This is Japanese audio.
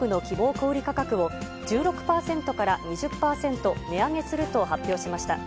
小売り価格を、１６％から２０％値上げすると発表しました。